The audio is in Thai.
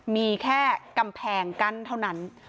มีแค่กำแพงกั้นเท่านั้น